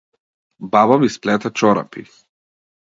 Баба ми сплете чорапи.